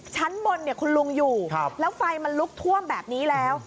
ชั้นบนคุณลุงอยู่แล้วไฟมันลุกท่วมแบบนี้แล้ว